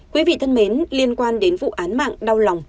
quý vị thân mến liên quan đến vụ án mạng đau lòng